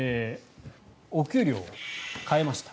お給料を変えました。